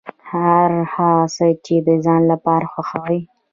هر هغه څه چې د ځان لپاره خوښوې.